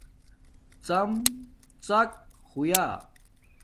ڎم ڎک ہویݳ